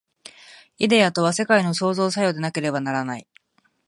イデヤとは世界の創造作用でなければならない。